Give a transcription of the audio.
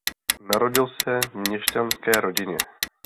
Narodil se v měšťanské rodině.